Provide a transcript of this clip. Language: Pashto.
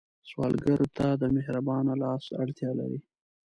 سوالګر ته د مهربان لاس اړتیا لري